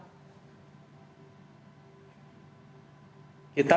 setelah gelombang ketiga masuk begitu pak